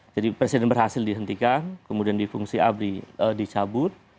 jadi presiden berhasil dihentikan kemudian di fungsi abri dicabut